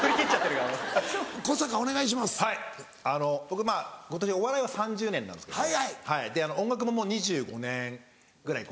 僕今年お笑いは３０年なんですけど音楽ももう２５年ぐらい。